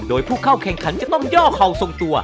โดยผู้เข้าแข่งขันจะต้องย่อเข่าทรงตัว